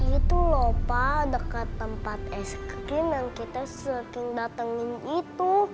itu lupa dekat tempat es krim yang kita saking datangin itu